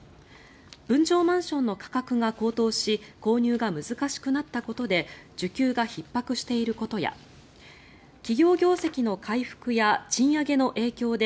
分譲マンションの価格が高騰し購入が難しくなったことで需給がひっ迫していることや企業業績の回復や賃上げの影響で